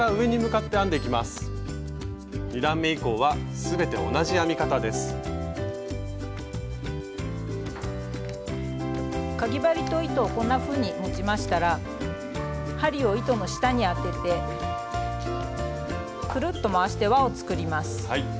かぎ針と糸をこんなふうに持ちましたら針を糸の下にあててくるっと回して輪を作ります。